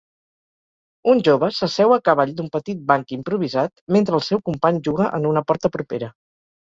Un jove s'asseu a cavall d'un petit banc improvisat mentre el seu company juga en una porta propera.